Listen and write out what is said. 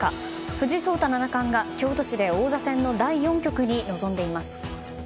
藤井聡太七冠が京都市で王座戦の第４局に臨んでいます。